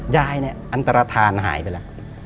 ยายเนี่ยอันตรฐานหายไปแล้ว